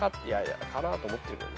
かなぁと思ってるけど。